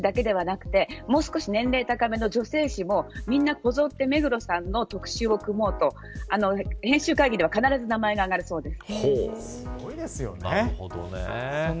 ファッション誌だけでなくもう少し年齢高めの女性誌もみんな、こぞって目黒さんの特集を組もうと編集会議では必ず名前があがるそうです。